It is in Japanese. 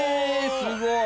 すごい！